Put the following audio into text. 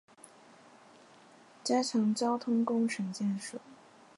加强交通工程建设